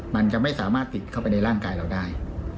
มันจะไม่สามารถติดเข้าไปในร่างกายเราได้